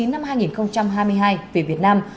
năm hai nghìn hai mươi hai về việt nam